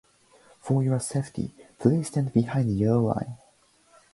For your safety, please stand behind the yellow line.